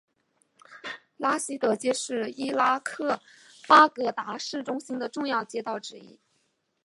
拉希德街是伊拉克巴格达市中心的重要街道之一。